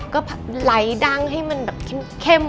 ก็ไหลดังให้มันแบบเข้ม